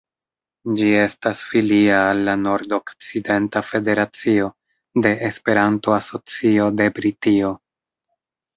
Ĝi estas filia al la Nord-Okcidenta Federacio de Esperanto-Asocio de Britio.